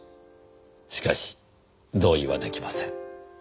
しかし同意は出来ません。